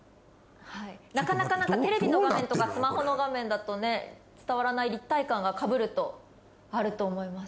なかなかテレビの画面とかスマホの画面だと伝わらない立体感がかぶるとあると思います。